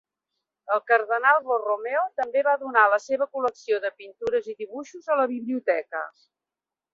El cardenal Borromeo també va donar la seva col·lecció de pintures i dibuixos a la biblioteca.